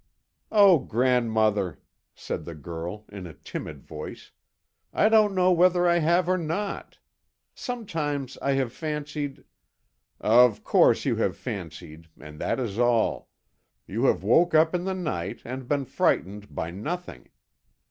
"Oh, grandmother!" said the girl, in a timid voice, "I don't know whether I have or not. Sometimes I have fancied " "Of course you have fancied, and that is all; and you have woke up in the night, and been frightened by nothing.